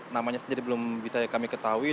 namanya sendiri belum bisa kami ketahui